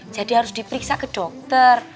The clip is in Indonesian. jadi harus diperiksa ke dokter